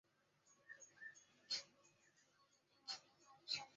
数学与系统科学学院成立同时撤销理学院。